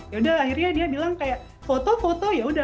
ya udah akhirnya dia bilang kayak foto foto ya udah